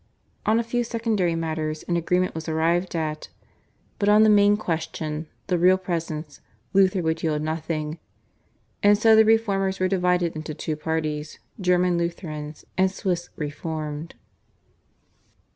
On a few secondary matters an agreement was arrived at, but on the main question, the Real Presence, Luther would yield nothing, and so the Reformers were divided into two parties, German Lutherans and Swiss Reformed.